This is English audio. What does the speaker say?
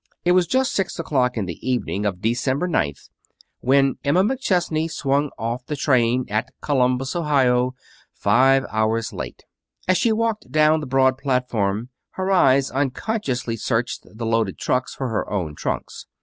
It was just six o'clock on the evening of December ninth when Mrs. Emma McChesney swung off the train at Columbus, Ohio, five hours late. As she walked down the broad platform her eyes unconsciously searched the loaded trucks for her own trunks.